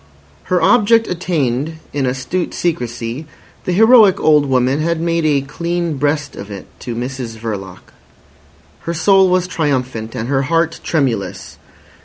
Her object attained in astute secrecy, the heroic old woman had made a clean breast of it to Mrs Verloc. Her soul was triumphant and her heart tremulous.